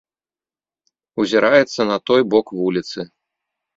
Узіраецца на той бок вуліцы.